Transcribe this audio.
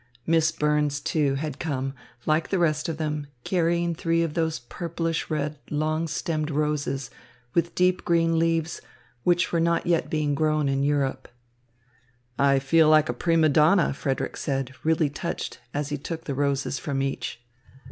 Miss Burns, too, had come, like the rest of them, carrying three of those purplish red, long stemmed roses with deep green leaves which were not yet being grown in Europe. "I feel like a prima donna," Frederick said, really touched, as he took the roses from each.